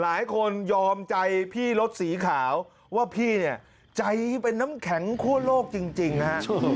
ยอมใจพี่รถสีขาวว่าพี่เนี่ยใจเป็นน้ำแข็งคั่วโลกจริงนะฮะ